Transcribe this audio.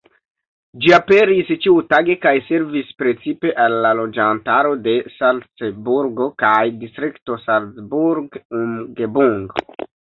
Ĝi aperis ĉiutage kaj servis precipe al la loĝantaro de Salcburgo kaj Distrikto Salzburg-Umgebung.